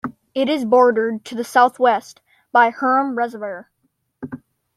It is bordered to the southwest by Hyrum Reservoir.